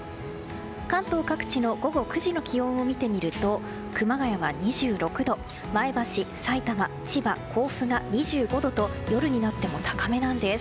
関東各地の午後９時の気温を見てみると熊谷は２６度前橋、さいたま千葉、甲府が２５度と夜になっても高めなんです。